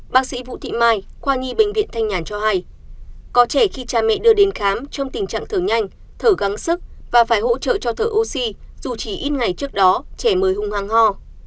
bác sĩ vũ thị mai khoa nhi bệnh viện thanh nhàn cho hay có trẻ khi cha mẹ đưa đến khám trong tình trạng thở nhanh thở gắng sức và phải hỗ trợ cho thở oxy dù chỉ ít ngày trước đó trẻ mới hung hăng ho